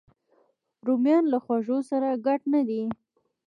رومیان له خوږو سره ګډ نه دي